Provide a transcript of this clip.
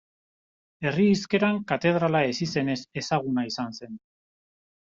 Herri hizkeran Katedrala ezizenez ezaguna izan zen.